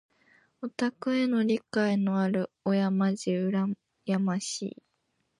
オタクへの理解のある親まじ羨ましい。